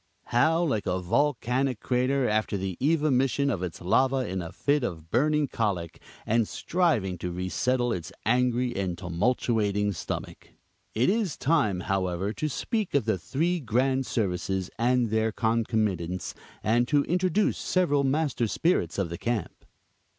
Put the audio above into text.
How like a volcanic crater after the evomition of its lava in a fit of burning cholic, and striving to resettle its angry and tumultuating stomach! It is time, however, to speak of the three grand services and their concomitants, and to introduce several master spirits of the camp.